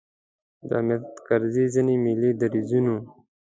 د حامد کرزي ځینې ملي دریځونو.